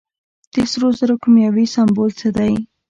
د سرو زرو کیمیاوي سمبول څه دی.